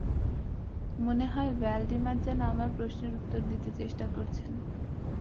মনে হয়, ভ্যালডিমার যেন আমার প্রশ্নের উত্তর দিতে চেষ্টা করছেন।